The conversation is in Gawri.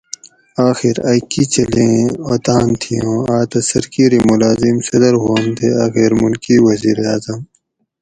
آخیر ائ کۤچھلیں اوطاۤن تھی اُوں آۤتہ سرکیری مُلازم صدر ہوانت تے اۤ غیر مُلکی وزیراعظم